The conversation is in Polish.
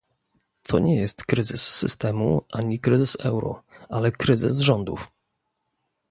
To nie jest kryzys systemu, ani kryzys euro, ale kryzys rządów